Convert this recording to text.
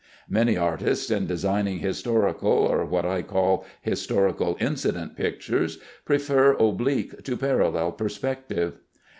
Many artists, in designing historical or what I call historical incident pictures, prefer oblique to parallel perspective.